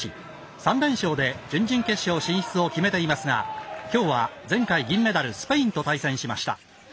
３連勝で準々決勝進出を決めていますがきょうは前回金メダルスペインと対戦しました。